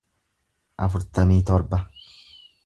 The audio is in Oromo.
afurtamii torba